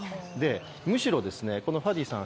むしろ、ファディさん